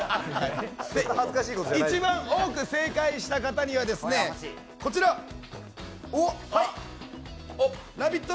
一番多く正解した方にはこちらＬＯＶＥＩＴ！